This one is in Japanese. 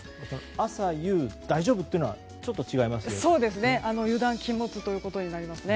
朝、夕大丈夫というのは違いますね。